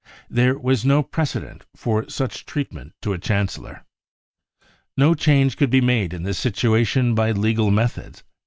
There was no precedent for such treatment* to a Chancellor. No change could* be made in this situation by legal methods.